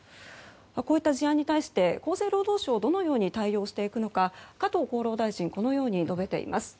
こういった事案に対して厚生労働省はどのように対応していくのか加藤厚労大臣このように述べています。